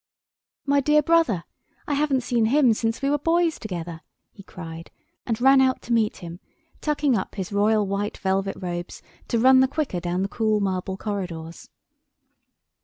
"My dear brother! I haven't seen him since we were boys together," he cried, and ran out to meet him, tucking up his royal white velvet robes to run the quicker down the cool marble corridors.